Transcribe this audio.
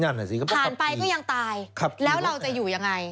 ผ่านไปก็ยังตายแล้วเราจะอยู่ยังไง